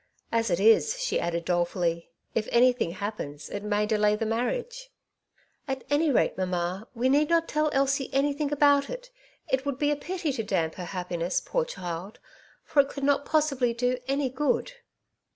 As it is/' she added dolefully, '^if anything happens it may delay the marriage." '^At any rate, mamma, we need not tell Elsie anything about it. It would be a pity to damp her happiness, poor child, for it could not possibly do any good.''